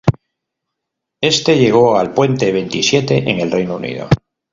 Este llegó al puesto veintisiete en el Reino Unido.